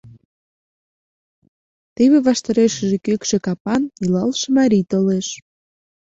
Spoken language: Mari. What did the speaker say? Теве ваштарешыже кӱкшӧ капан илалше марий толеш.